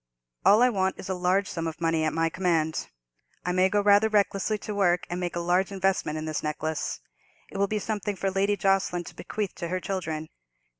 "All I want is a large sum of money at my command. I may go rather recklessly to work and make a large investment in this necklace; it will be something for Lady Jocelyn to bequeath to her children.